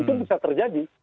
itu bisa terjadi